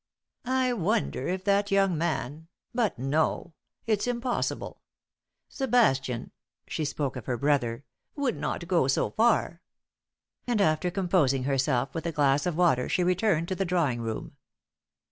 "I wonder if that young man but no; it's impossible. Sebastian," she spoke of her brother, "would not go so far." And after composing herself with a glass of water she returned to the drawing room.